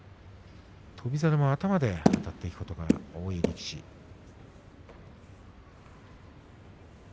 翔猿は頭であたっていくことが多い力士です。